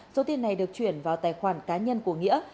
số tiền này được chuyển vào tài khoản cá nhân của nghĩa